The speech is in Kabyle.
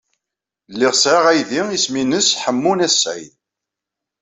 Lliɣ sɛiɣ aydi isem-nnes Ḥemmu n At Sɛid.